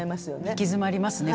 行き詰まりますね